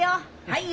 はい！